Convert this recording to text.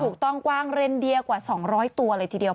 กว้างเรนเดียกว่า๒๐๐ตัวเลยทีเดียว